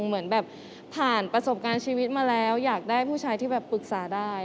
เหมือนแบบผ่านประสบการณ์ชีวิตมาแล้วอยากได้ผู้ชายที่แบบปรึกษาได้